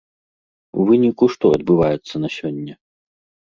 У выніку што адбываецца на сёння?